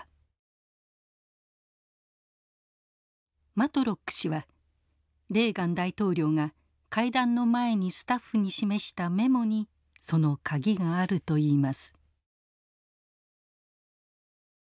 マトロック氏はレーガン大統領が会談の前にスタッフに示したメモにその鍵があるといいます。